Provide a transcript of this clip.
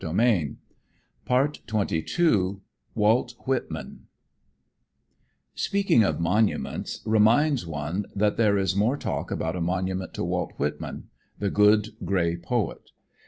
The Home Monthly, May 1897 Walt Whitman Speaking of monuments reminds one that there is more talk about a monument to Walt Whitman, "the good, gray poet."